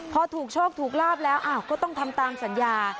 พอถูกโชคถูกลาบแล้วก็ต้องทำตามสัญญา